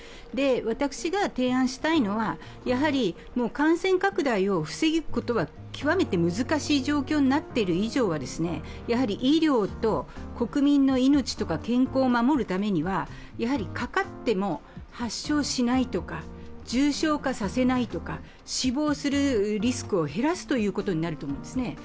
私が提案したいのは、もう感染拡大を防ぐことは極めて難しい状況になっている以上は医療と国民の命や健康を守るためにはやはりかかっても、発症しないとか重症化させないとか死亡するリスクを減らすということになると思うんですね。